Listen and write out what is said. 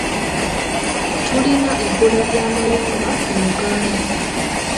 Tulina ebbula ly'amayumba mu Uganda.